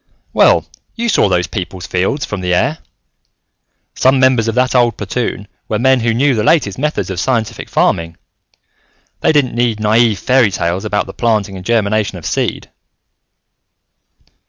"Well, you saw those people's fields from the air. Some members of that old platoon were men who knew the latest methods of scientific farming. They didn't need naive fairy tales about the planting and germination of seed."